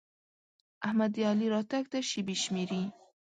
احمد د علي راتګ ته شېبې شمېري.